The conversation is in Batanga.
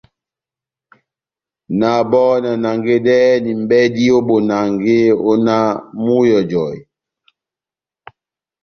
Na bɔ́ na nangedɛhɛni mʼbɛdi ó bonange ó náh múhɔjɔhe.